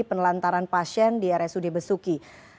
penelantaran pasien di rsud besuki